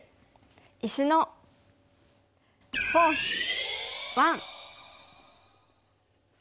「石のフォース１」。